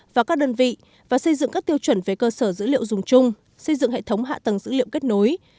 và các đơn vị và xây dựng các tiêu chuẩn về cơ sở dữ liệu dùng chung xây dựng hệ thống hạ tầng dữ liệu kết nối